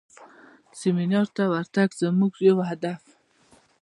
سیمینار ته ورتګ زموږ یو هدف و.